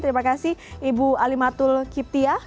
terima kasih ibu alimatul kiptia